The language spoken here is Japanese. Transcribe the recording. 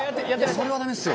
「それはダメですよ」